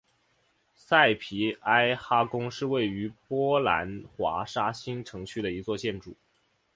萨皮埃哈宫是位于波兰华沙新城区的一座建筑。